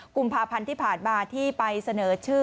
กุมภาพันธ์ที่ผ่านมาที่ไปเสนอชื่อ